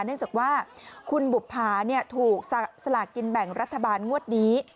เนื่องจากว่าคุณบุภาถูกสลากกินแบ่งรัฐบาลงวดนี้